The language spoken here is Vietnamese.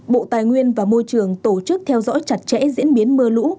bộ tài nguyên và môi trường tổ chức theo dõi chặt chẽ diễn biến mưa lũ